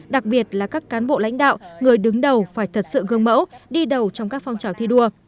đặc biệt là các cán bộ lãnh đạo người đứng đầu phải thật sự gương mẫu đi đầu trong các phong trào thi đua